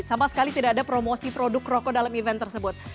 sama sekali tidak ada promosi produk rokok dalam event tersebut